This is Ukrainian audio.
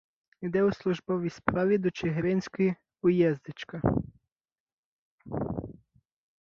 Іде у службовій справі до Чигиринської "уєздчека".